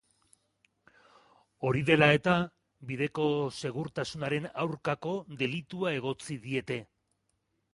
Hori dela eta, bideko segurtasunaren aurkako delitua egotzi diete.